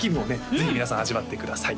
ぜひ皆さん味わってください